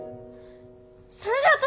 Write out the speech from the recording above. それで私